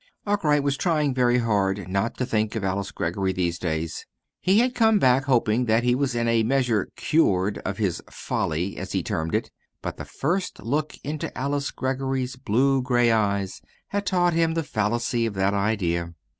Arkwright was trying very hard not to think of Alice Greggory these days. He had come back hoping that he was in a measure "cured" of his "folly," as he termed it; but the first look into Alice Greggory's blue gray eyes had taught him the fallacy of that idea.